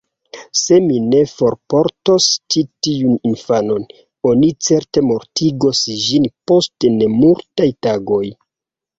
"Se mi ne forportos ĉi tiun infanon, oni certe mortigos ĝin post nemultaj tagoj.